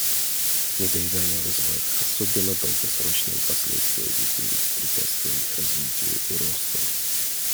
Недоедание вызывает особенно долгосрочные последствия у детей, препятствуя их развитию и росту.